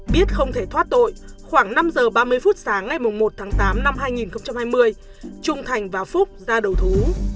biết không thể thoát tội khoảng năm giờ ba mươi phút sáng ngày một tháng tám năm hai nghìn hai mươi trung thành và phúc ra đầu thú